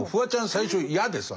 最初嫌でさ。